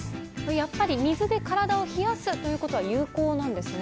やっぱり水で体を冷やすことは有効なんですね。